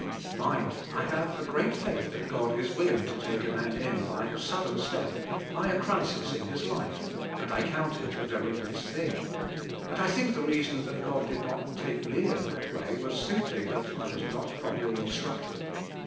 Mind, I have g"reat faith that God is willing" to take a man in by a sudden step, by a crisis in his life, and I count it a very blessed thing, and I think the reason that God did not take me in that way was simply that I was not properly instructed.